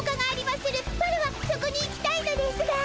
ワラワそこに行きたいのですが。